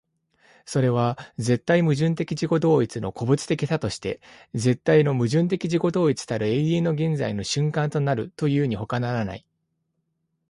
それは絶対矛盾的自己同一の個物的多として絶対の矛盾的自己同一たる永遠の現在の瞬間となるというにほかならない。